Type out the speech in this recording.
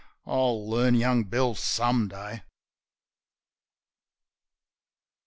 .. I'll learn young Bill some day!